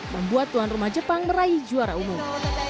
membuat tuan rumah jepang meraih juara umum